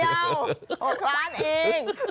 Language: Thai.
๖ล้านเอง